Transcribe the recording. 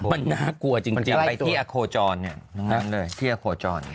มันน่ากลัวจริงไปที่อะโคจร